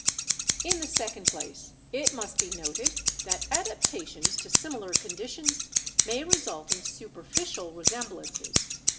In the second place, it must be noted that adaptations to similar conditions may result in superficial resemblances.